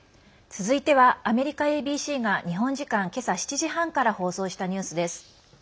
続いては、アメリカＡＢＣが日本時間けさ７時半から放送したニュースです。